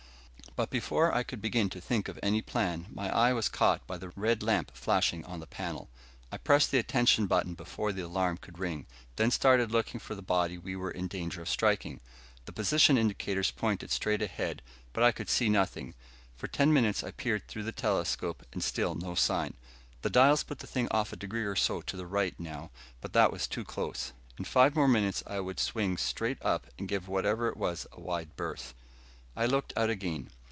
But before I could begin to think of any plan, my eye was caught by the red lamp flashing on the panel. I pressed the attention button before the alarm could ring, then started looking for the body we were in danger of striking. The position indicators pointed straight ahead, but I could see nothing. For ten minutes I peered through the telescope, and still no sign. The dials put the thing off a degree or so to the right now, but that was too close. In five more minutes I would swing straight up and give whatever it was a wide berth. I looked out again.